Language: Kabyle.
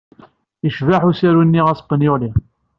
Yecbeḥ usaru-nni aspanyuli.